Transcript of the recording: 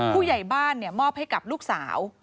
ผู้ใหญ่บ้านมอบให้กับลูกสาว